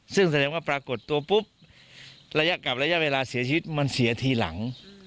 ซึ่งแสดงว่าปรากฏตัวปุ๊บระยะกลับระยะเวลาเสียชีวิตมันเสียทีหลัง